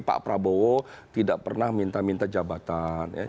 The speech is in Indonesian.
pak prabowo tidak pernah minta minta jabatan